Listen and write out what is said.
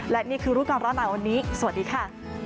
และนี่คือรู้ก่อนร้อนหนาวันนี้สวัสดีค่ะ